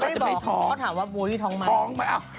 เค้าถามว่าโบวี่ท้องไหม